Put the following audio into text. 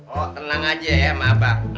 oh tenang aja ya mabang